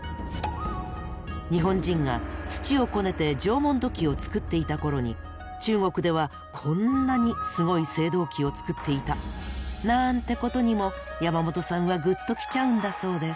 日本人が土をこねて縄文土器を作っていた頃に中国ではこんなにすごい青銅器を作っていた！なんてことにも山本さんはグッときちゃうんだそうです。